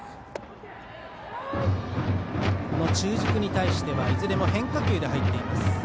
中軸に対してはいずれも変化球で入っています。